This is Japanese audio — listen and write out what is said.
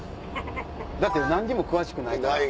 だって何にも詳しくないから。